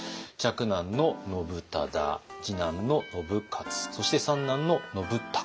嫡男の信忠次男の信雄そして三男の信孝と。